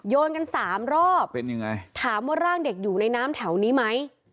เหรอเป็นยังไงโยนกัน๓รอบถามว่าร่างเด็กอยู่ในน้ำแถวนี้ไหม